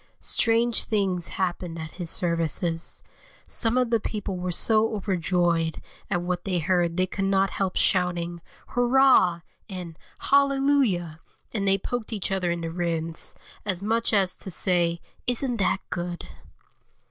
Strange things happened at his services; some of the people were so overjoyed at what they heard they could not help shouting "Hurrah!" and "Hallelujah!" and they poked each other in the ribs, as much as to say: "Isn't that good?"